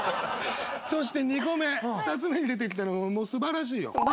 そして２個目２つ目に出てきたのも素晴らしいよ。